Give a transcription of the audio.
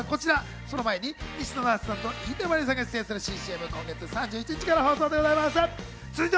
その前に、西野七瀬さんと飯豊まりえさんが出演する新ＣＭは今月３１日から放送されます。